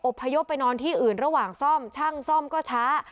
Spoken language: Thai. พยพไปนอนที่อื่นระหว่างซ่อมช่างซ่อมก็ช้า